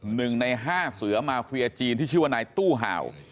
หนึ่งในห้าเสือมาเฟียจีนที่ชื่อว่านายตู้ห่าว